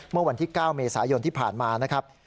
เมื่อวันที่๙เมษายนที่ผ่านมานะครับ